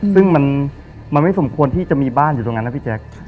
ซึ่งมันไม่สมควรที่จะมีบ้านอยู่ตรงนั้นนะพี่แจ๊ค